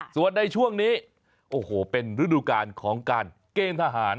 ส่วนในช่วงนี้โอ้โหเป็นฤดูการของการเกณฑ์ทหาร